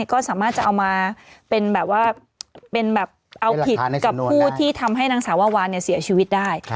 ก็สามารถจะเอาผิดกับผู้ที่ทำให้นางสาววาวาเสียชีวิตได้